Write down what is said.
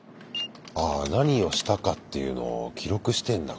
何をしたかっていうのを記録してんだ。